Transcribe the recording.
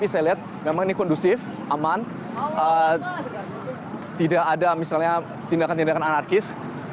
ini kan udah seharian nih